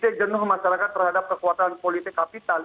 jenuh masyarakat terhadap kekuatan politik kapital